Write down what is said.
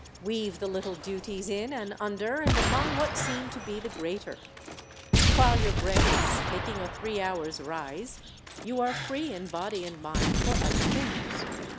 Weave the little duties in and under and among what seem to be the greater. While your bread is taking a three hours' rise, you are free in body and mind for other things.